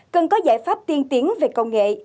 cần có giải pháp tiên tiến về công nghệ